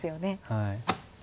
はい。